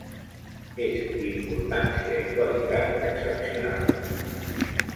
És d'importància i qualitat excepcionals.